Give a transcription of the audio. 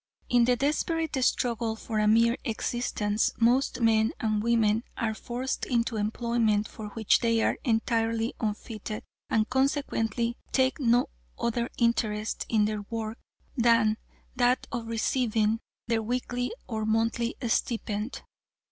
In the desperate struggle for a mere existence, most men and women are forced into employment for which they are entirely unfitted, and consequently take no other interest in their work than that of receiving their weekly or monthly stipend.